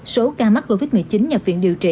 số ca mắc covid một mươi chín nhập viện điều trị